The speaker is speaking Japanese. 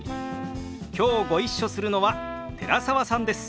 きょうご一緒するのは寺澤さんです。